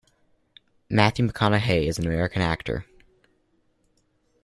Matthew McConaughey is an American actor.